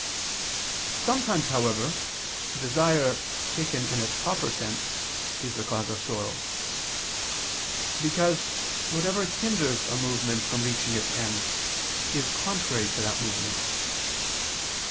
Sometimes, however, desire taken in its proper sense, is the cause of sorrow. Because whatever hinders a movement from reaching its end is contrary to that movement.